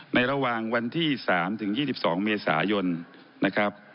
ระหว่างวันที่๓ถึง๒๒เมษายนนะครับ